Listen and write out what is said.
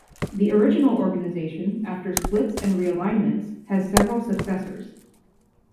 The original organization, after splits and realignments, has several successors.